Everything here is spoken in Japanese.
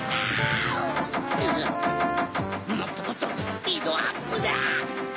もっともっとスピードアップだ！